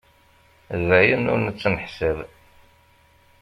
D ayen ur nettneḥsab.